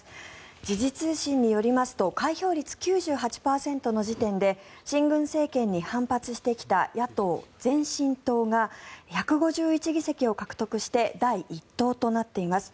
時事通信によりますと開票率９８％の時点で親軍政権に反発してきた野党・前進党が１５１議席を獲得して第１党となっています。